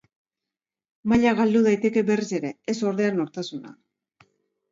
Maila galdu daiteke berriz ere, ez ordea nortasuna.